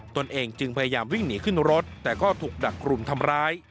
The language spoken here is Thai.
ตนเองจึงพยายามวิ่งหนีขึ้นรถแต่ก็ถูกดักกลุ่มทำร้าย